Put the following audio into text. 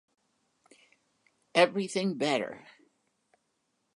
Everything better.